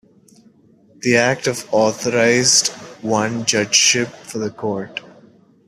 The act of authorized one judgeship for the court.